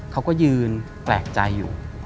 เขาก็ยืนแปลกใจอยู่